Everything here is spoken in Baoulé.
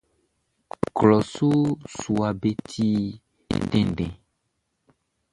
Klɔʼn su suaʼm be ti tɛnndɛn.